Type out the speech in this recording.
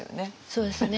そうですね。